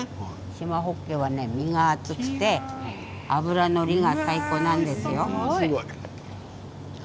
シマホッケは身が厚くて脂乗りが最高なんですよ。